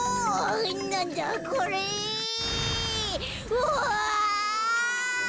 うわ！